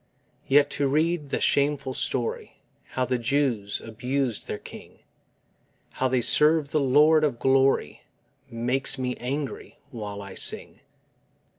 Yet to read the shameful story How the Jews abused their King, How they served the Lord of Glory, Makes me angry while I sing.